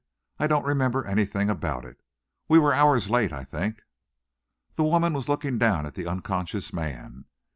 "I don't remember anything about it. We were hours late, I think." The woman was looking down at the unconscious man.